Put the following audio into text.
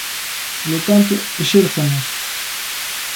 Polo tanto, exérzanas.